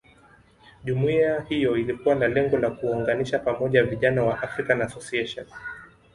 Jumuiya hiyo ilikuwa na lengo la kuwaunganisha pamoja vijana wa African Association